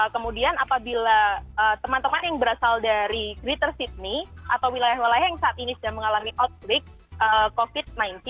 kemudian apabila teman teman yang berasal dari greater sydney atau wilayah wilayah yang saat ini sudah mengalami outbreak covid sembilan belas